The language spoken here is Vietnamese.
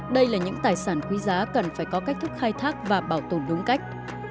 đây là những tài sản quý giá cần phải có cách thức khai thác và bảo tồn đúng cách